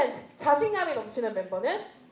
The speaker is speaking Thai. ใครมั่นใจที่สุด